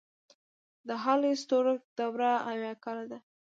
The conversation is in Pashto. د هالی ستورک دوره اويا کاله ده.